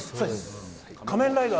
「仮面ライダー」